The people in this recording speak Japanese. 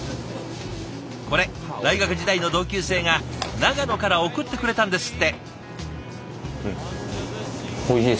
これ大学時代の同級生が長野から送ってくれたんですって。